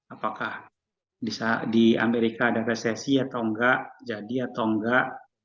apakah di amerika ada resesi atau enggak jadi atau enggak